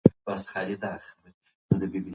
دا کتاب د روسیې د تاریخ یوه مهمه برخه انځوروي.